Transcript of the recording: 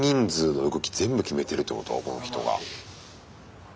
この人が。